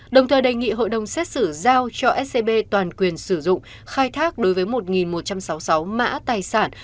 đồng thời đề nghị hội đồng xét xử giao cho scb toàn quyền sử dụng khai thác đối với một một trăm sáu mươi sáu mã tài sản